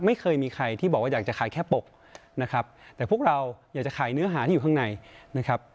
ไม่เคยมีใครที่บอกว่าอยากจะขายแค่ปกนะครับแต่พวกเราอยากจะขายเนื้อหาที่อยู่ข้างในนะครับ